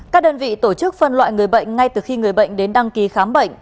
các đơn vị tổ chức phân loại người bệnh ngay từ khi người bệnh đến đăng ký khám bệnh